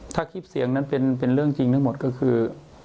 ถ้าคลิปเสียงนั้นเป็นเรื่องจริงทั้งหมดก็คือ